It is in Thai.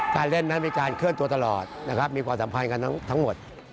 การเล่นนั้นมีการเคลื่อนตัวตลอดนะครับมีความสัมพันธ์กันทั้งหมด